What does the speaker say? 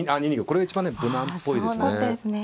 これが一番ね無難っぽいですね。